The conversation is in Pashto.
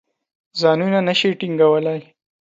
ځانونه نه شي ټینګولای.